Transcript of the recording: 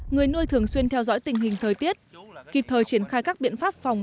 người nuôi thường xuyên theo dõi tình hình thời tiết kịp thời triển khai các biện pháp phòng